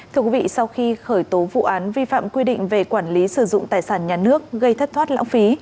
thưa quý vị sau khi khởi tố vụ án vi phạm quy định về quản lý sử dụng tài sản nhà nước gây thất thoát lãng phí